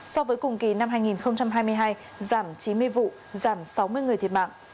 so với cùng kỳ năm hai nghìn hai mươi hai giảm chín mươi vụ giảm sáu mươi người thiệt mạng